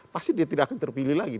pasti dia tidak akan terpilih lagi